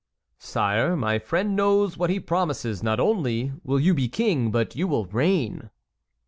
"Sire, my friend knows what he promises; not only will you be king, but you will reign."